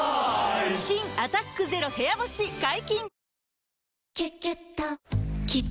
新「アタックＺＥＲＯ部屋干し」解禁‼